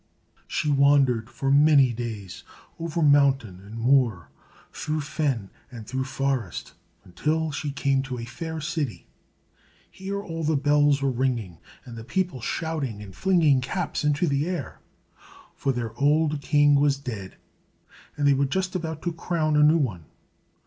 She wandered for many days, over mountain and moor, through fen and through forest, until she came to a fair city. Here all the bells were ringing, and the people shouting and flinging caps into the air; for their old king was dead, and they were just about to crown a new one.